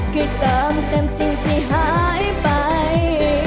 คือเติมเต็มสิ่งที่หายไป